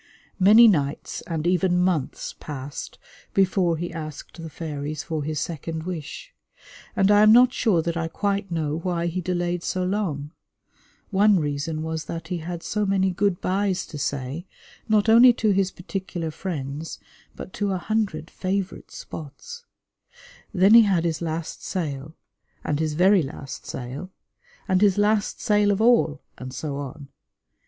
Many nights and even months passed before he asked the fairies for his second wish; and I am not sure that I quite know why he delayed so long. One reason was that he had so many good byes to say, not only to his particular friends, but to a hundred favourite spots. Then he had his last sail, and his very last sail, and his last sail of all, and so on.